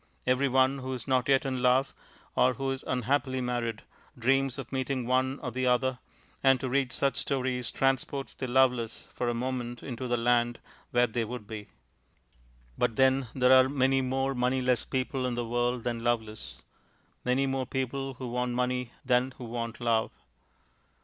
Every one who is not yet in love, or who is unhappily married, dreams of meeting one or the other, and to read such stories transports the loveless for a moment into the land where they would be. But then there are many more moneyless people in the world than loveless; many more people who want money than who want love.